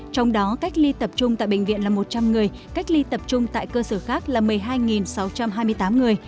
trong đó cách ly tập trung tại bệnh viện là một trăm linh người cách ly tập trung tại cơ sở khác là một mươi hai sáu trăm hai mươi tám người